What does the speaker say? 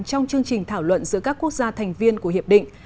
trong chương trình thảo luận giữa các quốc gia thành viên của hiệp định